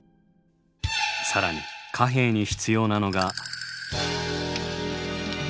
更に貨幣に必要なのが。